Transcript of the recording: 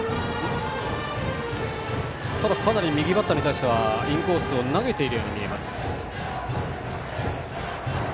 かなり右バッターに対してはインコース投げているように見えます。